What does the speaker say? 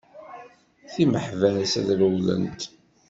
Timeḥbas ad rewwlent!